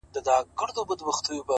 • سترگي دي ژوند نه اخلي مرگ اخلي اوس،